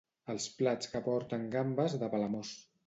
Els plats que porten gambes de Palamós.